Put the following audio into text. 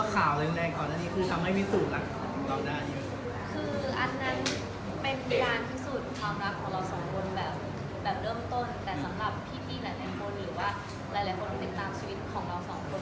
หรือว่าหลายคนอย่างนี้ตามชีวิตของเราสองคน